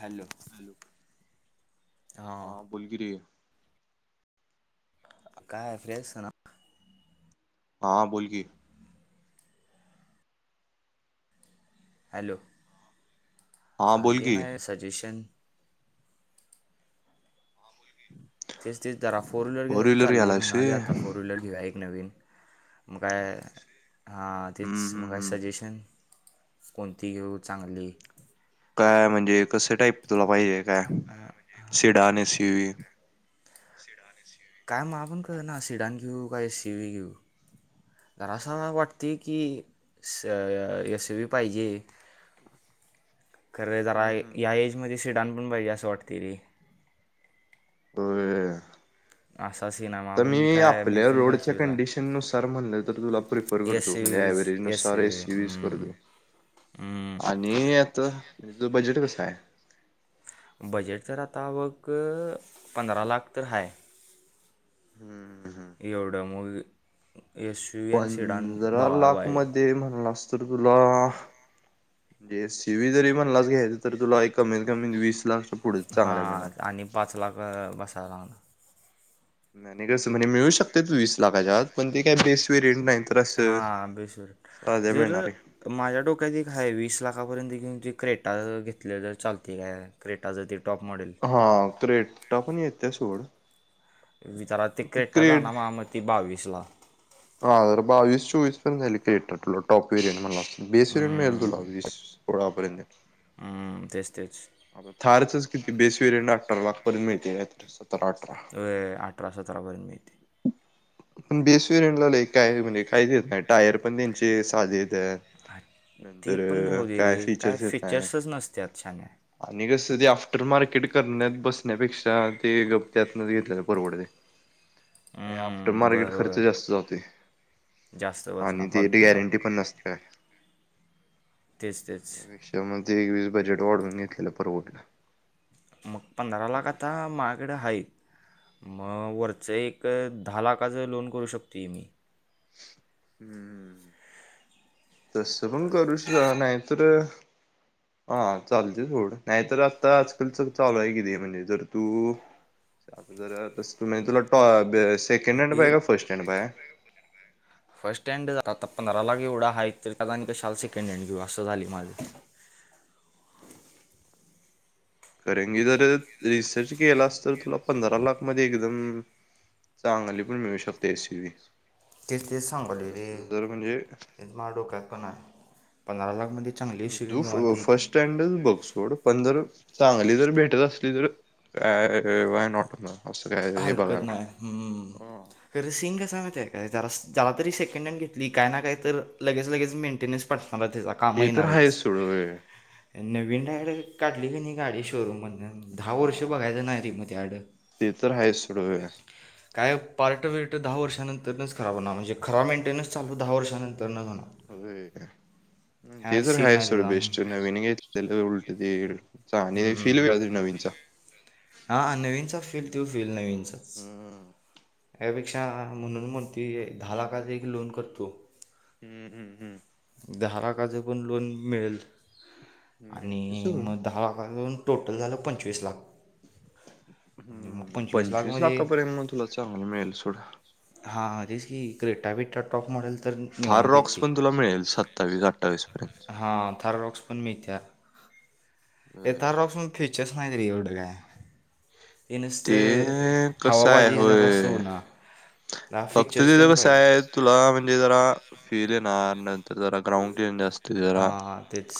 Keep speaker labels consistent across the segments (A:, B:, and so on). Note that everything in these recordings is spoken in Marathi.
A: हॅलो हा
B: बोल की रे
A: काय फ्रेश [unintelligible] ना
B: हा बोलकी
A: हॅलो
B: हा
A: अरे
B: बोल
A: हे
B: की
A: नाय सजेशन तेच तेच जरा [unintelligible] फोर व्हीलर घ्यायच चालय म्हणाले आता फोर व्हीलर घेऊया एक नवीन मग काय हां
B: हम्म
A: तेच
B: हम्म
A: मगकाय
B: हम्म
A: सजेशन कोणती घेऊ चांगली
B: काय म्हणजे कस टाईप तुला पाहिजे काय सिडान येस यू वी
A: काय मग आपण कर ना सिडान घेऊ का एससी [unintelligible] व घेऊ तर असं [unintelligible] वाटतंय की स एस वी पाहिजे खरे जरा
B: हम्म हम्म.
A: या एजमध्ये सिडान पण पाहिजे असं वाटते री
B: होय
A: अस
B: तर मी आपल्या रोडच्या
A: आहे
B: कंडिशन नुसार म्हणल तर तुला प्रिफर
A: एस
B: करतो
A: सी
B: म्हणजे
A: व्हीज
B: व्हरेज
A: एस
B: नुसार
A: सी
B: एसी यज करतो
A: व्ही हम्म.
B: आणि आता म्हणजे त बजेट कस आहे
A: बजेट जर आता बघ पंधरा लाख तर हा
B: हम्म हम्म.
A: मग एस यू एन सिडान
B: पंधरा
A: बघा
B: लाख
A: बाई
B: मध्ये म्हणला असतो तुला म्हे सी वही जरी म्हणलाच घ्यायच तर तुला एक कमीत कमी वीस लाख
A: हा आणि पाच लाख बसायलाह
B: नाहीने कसं म्हणजे मिळू शकते वीस लाखाच्यात पण ते काही बेस्ट वेरेंट नाही तर असं
A: हा बेसर
B: साध्या
A: जर
B: मिळणार आहे
A: माझ्या डोक्यात एक हय वीस लाख आकापर्यंत घेऊन जे क्रेटा घेतले ज तर चालते का क्रेटा जर ते टॉप मॉडेल
B: हा क्रेट्टा पण येते सोड
A: विचार ते क्रेटा जा ना म म त बावीस ला
B: ह बावीस चवीस टॉप वरीय मला बेसर मेळ तुलास पोडप
A: तेस
B: आता थारच किती बेसवेरे अठरा लाखपर्यंत मिहि
A: अ अठरा सतरापर्यंत मिळते
B: पण बेसवी रिन लाला काय म्हणजे काहीच देत नाही टायर पण त्यांची चाली येत
A: ते पण राहू दे रे काय
B: फीचर्स येत नाही
A: फीचर्सच नसते आज छान
B: आणि कस ते आफ्टर मार्केट करण्यात बसण्यापेक्षा ते ग त्यातन घेतलेलं परवडते आणि आफ्टर
A: हम्म
B: मार्केट खर्च
A: बरोबर
B: जास्त जाते
A: जास्त बसना
B: आणि तेथ
A: फालतूचा
B: गॅरंटी पण नसते का
A: तेच तेच
B: त्यापेक्षा मगज एकवीस बजेट वाढून घेतलेलं परवटला
A: मग पंधराला कता माकडे हाई मग वरच एक दहा लाखाचं लोन करू शकतोय मी
B: हम्मम् तस पण करू शक नाहीतर हा चालते थड नाहीतर आता आजकालच चालू आहे किती म्हणजे जर तू आता जर तु तुला सेकंड हँड
A: हे
B: पय का फर्स्ट हँड प
A: स्टँड झा आता पंधरा लाग एवढा आहेा क कशाल सेकंड हँड घेऊ असं झाली माझे [inaudible]
B: करेी जर रिसर्च केला अस तर तुला पंधरा लाख म एकदम चांगली पण मिळू शकते ए सीी
A: ते तेच सांगले रे माला डोक्यात पणा पंधरा लाख म्हध्ये
B: तू फर्स्ट स्टँड बघ सोड पंधर चांगली जर भेटत असली तर वानॉट
A: हरकत नाही हम्म र सिंग असस मा आहे काय जरा जला तरी सेकंड हँड घेतली काय ना काय तर लगेच लगेच मेंटेन्सटला मला त्याच
B: ते तर आहेच
A: कामहीणारच
B: सोड होय
A: नवीन डायड काढली का नाही गाडी शोरूम मध दहा वर्ष
B: हा
A: बघायचं नाही रे मग ते अड
B: सुरू
A: काय पार्टं विरटं दहा वर्षानंतरच खराब हो म्हजे खरा मेंटेन्स चालू दहा वर्षानर
B: हो
A: हा
B: ते तर
A: सीन
B: आहेा
A: नाही
B: सर
A: त्याचा
B: बेस्ट नवीन घ त्या उलटतील आणि
A: हम्म.
B: फिल तरी नवीनचा
A: िक तो फीलल नाही इ स
B: हम्म
A: यापेक्षा म्हणून मग त दहा लाखाचा एक लोन करतो
B: हम्म हम हम
A: दहा लाखाचं पण लोन मिळेल आणि
B: मिळते सोड
A: मग दहा लाखाच टोटल झालं पंचवीस लाख म्हणजे मग
B: हम् पंचवीस
A: लाखमध्ये
B: लाखापर्यंत मग तुला चांगल मिळाल सोड
A: हांच तेच की क्रिटा बीटा टॉप मॉडेलच
B: थार रॉक्स पण तुला मिळेल सत्तावीस अठ्ठावीस पर्यंत
A: हा थररॉक्स पण मिळत्यात ये
B: पर्यंत
A: थाररॉक्स फीचर्स नाहीत रे येवढं काय
B: ते कसय
A: हवाबाजी जरा असं
B: होय
A: होणार दहा
B: फक्त
A: फीचर्स ते
B: तिथे कस
A: पाहिजे
B: आहे तुला म्हणजे जरा फीरेल नणार नंतर ज ग्रउंड जास्त
A: हाा तेच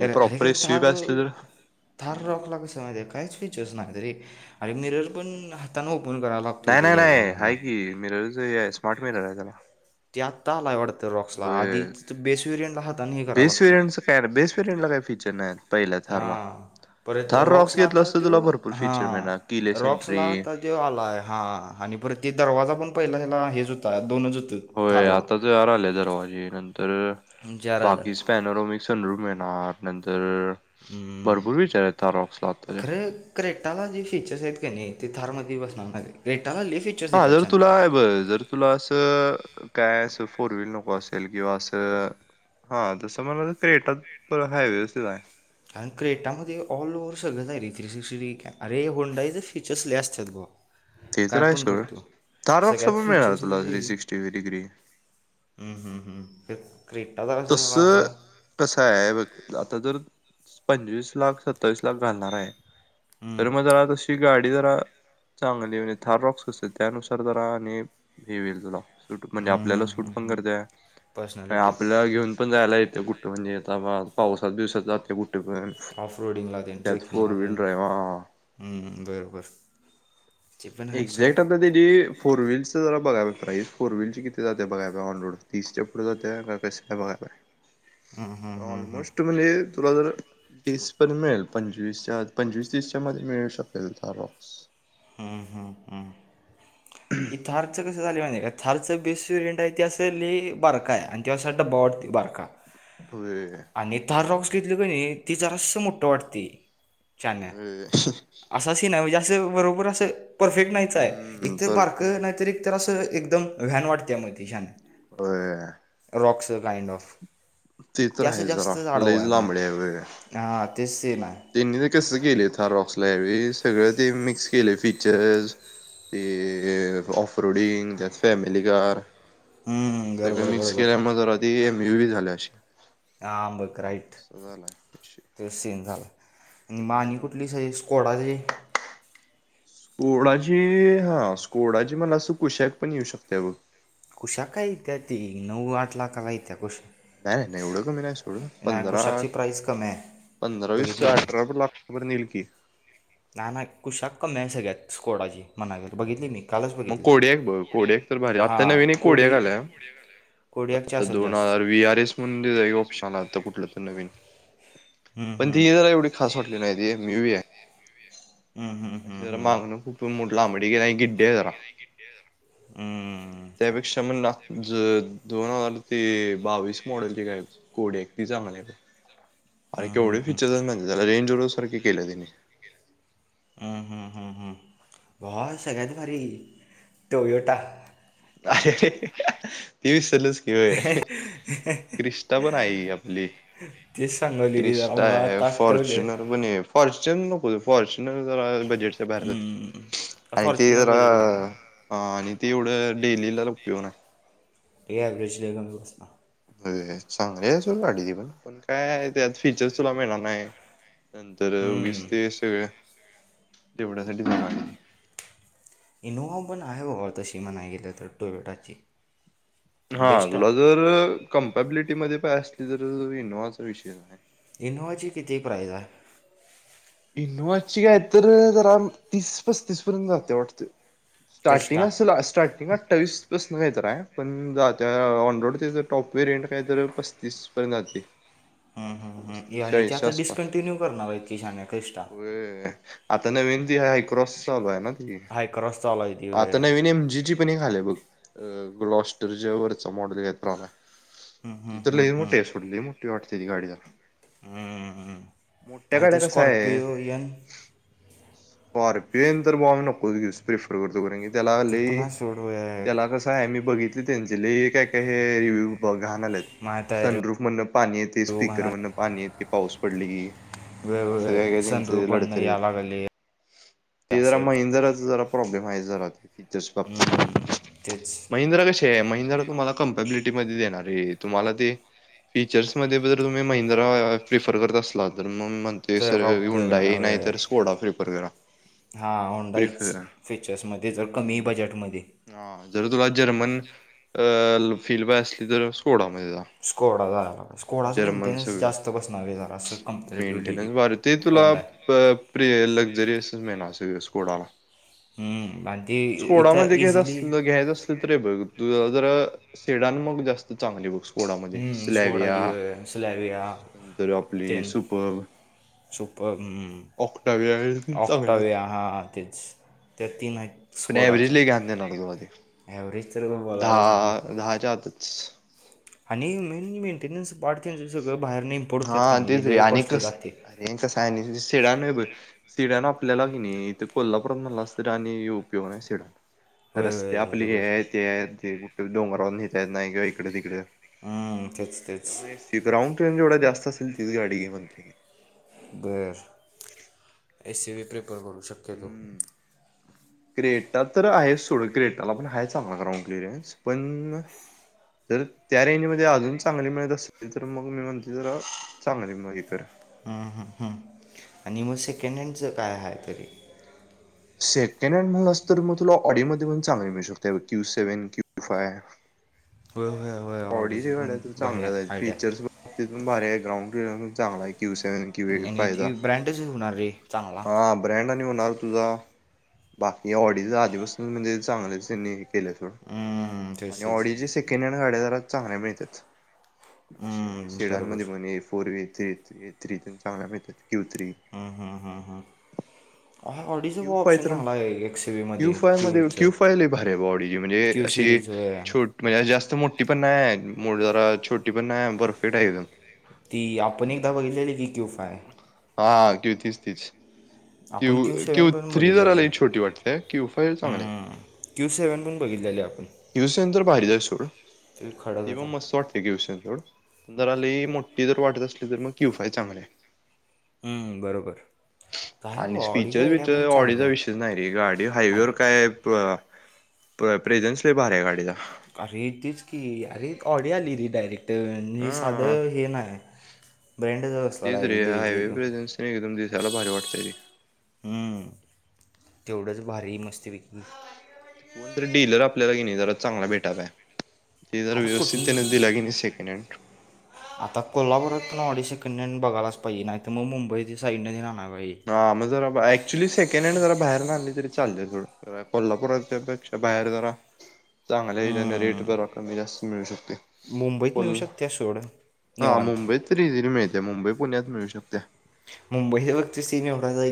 B: हे
A: अरे अर
B: प्रॉपर
A: घरी
B: हे स्वीप
A: थार
B: असली तर
A: थार
B: हम्म.
A: रॉक ला कसय माहितीय लागत्या रे आणि मिरज पण हातानं ओपन करायला लागतोय
B: नाही
A: ते
B: नाही नाही
A: यायला म्हणा
B: आहे की मिररच स्मार्ट मिरर आहे त्याला
A: ते आता आलाय वाढत तर रॉक्स ला आधी
B: होय.
A: बेस वरियंट लां हातानं हे कराय
B: बेस
A: लागतय
B: वेरियंटचं काय नाही, बेस वेरियंटला काय फीचर नाहीत पहिल्या
A: हा
B: थारला.
A: पर
B: थार
A: रॉक्स ला
B: घेतलं
A: आता
B: असतं
A: ते
B: तुला भरपूर
A: हा
B: फीचर मिळणार किलेस
A: रॉक्स ला
B: एंट्री
A: आता ते आलाय हा आणि परत ते दरवाजा पण पहिला हेच होत दोनच होतं
B: होय
A: थारला
B: आता त यार आले दरवाजे नंतर
A: जराज
B: बाकीच पॅनर मिकसू म
A: हम्म
B: भरपूर विचारता रॉक्स लागता
A: टला जे फीचर्स आहेत का नाही ते थार मध्ये बसणार नाही रेट
B: हा जर तुला आहे बर जर तुला असं काय असं फोर व्हील नको असेल किंवा असं हा तसं मला क्रेट हाय व्यवस्थित हाय
A: कारण क्रेटामध्ये ऑल ओ्ह सगळंच आहे रे थ्री सिक्स्टी अरे होंडाईचे फीचर्स लले असतात गो
B: ते तर
A: काय
B: आहे
A: पण
B: सोड
A: करतो
B: थार
A: सगळ्यात
B: रॉक्सला पण मिळणार तुला
A: फीचर्समध्ये
B: थ्री सिक्स्टी डिग्री
A: हम्म हम् हम्म हे
B: तस कस आहे बघ आता जर पंचवीस लाख सत्तावीस लाख घालणार आहे
A: हम्म
B: तर मग जरा तशी गाडी जरा चांगली म्हज थार रॉक्स असते त्यानुसार जरा आणि हेि येईल तुला म्हणजे
A: हम्म हम्म
B: आपल्याला
A: हम्म.
B: सूट पण करत्या
A: पर्सनॅलिटीला
B: पण जायला येते गुठ म्हणजे आता पावसाात दिवसात जाते गु
A: ऑफ रोडिंगला देन
B: त्यात फोर
A: ट्रेकिंगला देन
B: व्हीलर आहे भावा
A: हम्म, बरोबर ते पण आहे सोड
B: एक्झॅक्ट आता त्याची फोर व्हीलच जरा बघायला प्राइस फोर व्हीलची बघाय ऑ रोड तीसच्या पुढ जात्या का क आहे बघा
A: [inaudible] हम्म, हम्म, हम्म,
B: ऑलमोस्ट म्हणजे तुला जरीस पण मिळेल पंचवीसच्या पंचवीस तीसच्या मध्ये मिळू शकेल रॉक्स
A: हं हं हं इथारथक थारची बेस रेंट आहे त असं लय बारक हाय आणि ते अस डबा वाटतोय
B: होय
A: आणि थार रॉक्स घेतली का नाही ती जरास मोठ वाटतय
B: हम्
A: जास्त अस बरोबर अस परफेक्ट नाहीच हाय
B: हम्म
A: येक तर बारक
B: परफेक्ट.
A: नाहीतर एक तर अस त एकदम व्हॅन वाटत्या मग त व्हॅन
B: होय..
A: बॉक्स काइंड ऑफ ते
B: तर
A: अस
B: आहे जरा
A: जास्त आडव
B: लईच
A: आहे मग
B: लांबडी होय.
A: तेच सीन आहे
B: त्यांनी ते कसं केलं यावेळी रॉक्सलाईब सगळं ते मिक्स केले फीचर्स ते ऑफ रोडिंग त्यात फॅमिली कार
A: हम्म बरोबर
B: सगळं मिक्स
A: बरोबर
B: केल्यामुळे जरा आधी एमयू बी झाल्या अशी
A: हाम बघ राईट
B: असं झालाय विषय
A: ते सीन झाला आणि मग आणि
B: त्यामुळं
A: कुठली स स्कोडा ची
B: स्कोडाची हा स्कोडाची म्हणालास तर कुशाक पण येऊ शकते बघ.
A: कुशाक काय येत्या ती नऊ आठ लाखाला येत्या कुशाक
B: नाही नाही नाही एवडं कमी नाही सोड
A: नाही
B: पंधरा
A: कुशाकची प्राईस कमी आहे
B: पंधरा वीस
A: बघितली
B: अठरा बर लाखपर्यंत येईल की
A: नाय नाय कुशाक कमी आहे. सगळ्यात स्कोडाची मनाय गेल बघितलय मी. कालच
B: मग
A: बघितली
B: कोड्याक बघ कोड्याक तर भारी आत्ता
A: हां
B: नवीन कोड्याक
A: कोडी
B: आलाय
A: कोडियाकची
B: आता
A: असेल
B: दोन
A: जास्त
B: हजार वी आर एस म्हण ऑप्शन आला आता कुठलं नवीन
A: हम्म
B: पण
A: हम्म
B: ती जरा एवढी खास वाटली नाही ती म म वी यू आहे
A: हम्म
B: अ
A: हम्म हम्म
B: जरा
A: हम्म
B: मागण खूप मोठ लांबडी गे नाही गिड्डे आहे जरा
A: हम्म अच्छा.
B: त्यापेक्षा म्हणला दोन हजार ते बावीस मॉडेलचे काय कोडी चांगली आहे. अ के एवढे
A: हम्म हम्म
B: फीचर म्ह त्याला रेंजवर सारखे केलं तिने
A: हम्म हम्म हम्म हम्म भावा सगळ्यात भारी टोयोटा
B: अ अरे ते विसरलच की क्रिस्टा पण आहे ई आपली
A: तेच सांगवलेली जरा
B: क्रिस्टा
A: मला
B: आहे
A: आता आठवलं
B: फॉर्च्युनर पने फॉर्चु चो फॉर्च्युनर जरा. बजेट च्या बाहेर
A: हम्म
B: जातय आणि ते
A: फॉर्च्युनर
B: जरा
A: बजेट बघा
B: आणि ते एवढ- घेऊन आता उपयोग नाहीं
A: ये अव्हेरेज लय
B: अ चांगलीय सोड गाडी ती पण काय त्यात फीचर तुला मिळणार नाही. नंतर उगीच
A: हम्म
B: ते सगळ जेवणासाठी
A: इनोवा पण आहे बा तशी म्हणा गेलं तर टोवेटाची
B: हा तुला जर कम्पॅबिलिटी मध्ये पाय असली तर इनोव्हाचा विषय आहे
A: इनोवाची कती प्रायस आहे
B: इनु वाज्ची काय तर जरा तीस पस्तीस पर्यंत जाते वाटते. स्टार्टिंग
A: क्रिस्टा
B: स्टार्टिंग अठ्ठावीसपसन काहीत आहे पण ज त्या ऑन ररोडचे ज टॉप वेरियंट काय तर पस्तीस पर्यंत जात
A: हम हम् आणि ते आता डिस्कंटिन्यू करणारची शान
B: हो आता नवीनती हाय क्रॉस चालू आहे ना ती.
A: हायकस चालला हो
B: आता नवीन एमजीची पण खाले बघ ग्लॉस्टरच्या वरचा मॉडेल घेत राहला
A: हम्म,
B: ति
A: हम्म,
B: तर ल
A: हम्म,
B: मोठे
A: हम्म.
B: आहे सोडले मोठी वाटते ती गाडी जरा.
A: हम्म.
B: मोठ्या
A: नाही
B: गड्या
A: ते
B: कसा आहे
A: स्कॉर्पिओ यन
B: बार पेन तर भा आम्ही नको प्रिफर करतो करे की त्याला
A: ते
B: ल
A: पण आहे सोड होय.
B: त्याला कस आहे मी बघितले त्यांचे ल काय काय हे रिव्ह्यू ब घाण आलायत
A: माहीत आहे
B: सनप्रुफ मणन पाणी येते
A: रिव्ह्यू
B: स्पीकर
A: घेणार
B: म्हणन पाणी येते पाऊस पडले की असं काही
A: वेळ
B: काही त्यांच
A: सनरूप बंद
B: लढतरी आहेत
A: या लागले
B: ते जरा
A: असं
B: महिंद्राचं जरा
A: हम्म, तेच
B: [inaudible] ज तुम्हाला कमपॅबिलिटी मध्ये देणार आहे तुम्हाला ते फीचर्स मध्ये जर तुम्ही महिंद्रा प्रिफर करत असला तर मग म्हगते
A: तर
B: सर
A: का उपयोग
B: हुंडाई नाही
A: होय.
B: तर स्कोडा प्रिफर करा
A: हा होंडाईच फ
B: हम् हा जर तुला जर मन फीलय बाय असली तर सोडून
A: स्कोडा जायला स्कोडाच
B: जर्मन
A: मेंटेननस
B: सगळं
A: जास्त बसणार जरा असं कंपरेटिवली.
B: मेंटेनन्स भारी ते तुला प्रि लक्झरियस मेना असस स्कोडा
A: हम्म, आणि ती इथं
B: सोडामध्ये घेत
A: इझिली
B: असल घ्यायच असलं तरी बघ शेडान मग जास्त चांगली बघ स्कोडा मध्ये सलविया
A: स्कोडाची स्लॅविया
B: नंतर आपली
A: तेन
B: सुपर
A: सुपर
B: ऑक्टाविया चांगले
A: ऑक्टावे
B: आहेत
A: ह तेच त्या तीन
B: पण ॲव्हरेज
A: स्कोडाचं
B: लय घाण देणार तुला ते
A: एवर्हेज तर बोलायलाच नको
B: दहा दहाच्या आतच
A: आणि मेन मेंटेन्स [unintelligible]
B: हा तेच रे आणि कस आणि कस आहे? शिडन सिड्यान आपल्यालाी नाही इथं कोल्हापुरात म्हणला असत आणि [unintelligible] सिडण
A: होय
B: रस्ते
A: होय
B: आपले हे
A: बरोबर
B: आहेत ते ते कुठे डोंगरावरून नेता येत नाही किंवा इकडे तिकडे
A: हम्म, तेच तेच
B: त्यामुळे राऊंड ट्रेन जेवढा जास्त असेल तीच गाडी घे म्हणतोय
A: बर एसयुव्ही
B: हम् क्रेटा तर आहेच थोडं क्रेटला पण हाय चांगला ग्राउंड क्लिअरन्स पण... जर त्या रेंजमध्ये अजून चांगली मिळत असली तर मग मी म्हणतोय जरा चांगली हे कर.
A: हम् ह हम् आणि मग सेकंड हँडच काय आहे तरी
B: सेकंड हँड म्हण तर मग तुला ऑडिओमध्ये पण चांगली मिळू शकते क्यू सेव्हन क्यू फाय
A: होय होय होय
B: ऑडी
A: ऑडीचं पण
B: कडाय
A: भारी
B: चांगल्या
A: आहे आयडिया
B: फीचर्स बाबतीत भार ग्राउंड क्य सवन क्यू
A: आणि
B: फायदा
A: ती ब्रँडच होणार रे चांगला
B: हा ब्रँड हो तुझा बाकी ऑडी आधीपासून म्हणजे चांगलेच केल्या
A: हम्म, तेच
B: सोड
A: तेच
B: ऑडी सेकंड गाड्या जरा चांगल्या मिळत्यात असे म्हणजे
A: हम्म, बरोबर
B: सेडनमध्ये ए फोर ए थ्री ए थ्रीून चांगला मिळतात क्यू थ्री
A: हंम हंम ऑडीचा पण ऑप्शन चांगला आहे. एक्स व्हीमध्ये
B: क्यूफाय मध्ये
A: क्यूचं
B: क्यूफाय लयभारी आहे बॉडी म्हणजे
A: क्यू
B: अशी
A: सिरीज होय
B: छोटी ट म्हणजे जास्त मोठी पण नाही म जरा छो
A: ती आपण एकदा बघितलेली की क्यूफाय
B: हा तीच तीच
A: आपण क्यू सेव्हन पण
B: ती जरा
A: बघितलेली
B: लय छोटी वाटतेय की क्यूफाय चांगली आहे
A: क्यू सेव्हनण बघितलेल्याले आपण
B: क्युसेन तर भारीच आहे सोड
A: ते खडक
B: ती
A: होता
B: पण मस्त वाटते क्युसेन सोड पणजराली मोठी जर वाटत असली तर मग क्यू फाय चांगले आहे.
A: हम्म बरोबर काय
B: आणि
A: गो ऑडी
B: स्पीचर
A: आयडिया पण
B: बिचर ऑडीचा
A: चांगल्या आहे
B: विषयच नाही रे गाडी
A: अरे
B: हायवेवर काय प्रेझेन्स लई भारी आहे गाडीचा.
A: अरे तीच की. अरे! ऑडी आली रे डायरेक्ट. साधं हे नाही. ब्रँडच
B: त
A: असला
B: तेच रे
A: डायरेक्ट डिरेक्टली
B: हायवे
A: तो
B: प्रझेन्स एकदम दिसायला भारी वाटत ते.
A: हम्म तेवढंच भारी मस्ती विकली.
B: कोण तर डीलर आपल्याला किनाई जरा चांगला भेटाय पाहिजे.
A: आता कुठे?
B: हँड
A: आता कोल्हापूरात प अडीचशे- बघालाच पाहिजे नाही तर मग मुंबई साईड नणार.
B: हा मग जरा अक्च्युली सेकंड हँड जरा बाहेर- ली तरी चालतय थोड. कोल्हापुराच्या पेक्षा बाहेर जरा- चांगल्या आहे. त्याने रेट
A: हम्म,
B: जरा कमी जास्त मिळू शकते
A: मुंबईत मिळू
B: फुल-
A: शकते सोड
B: हा
A: निवांत
B: मुंबईत तर इझीली मिळते मुंबई पुण्यात मिळू शकते-
A: ति [unintelligible]